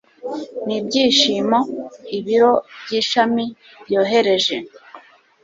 n ibyishimo Ibiro by ishami byohereje